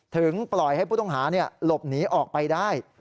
ปล่อยให้ผู้ต้องหาหลบหนีออกไปได้